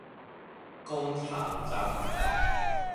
弓長張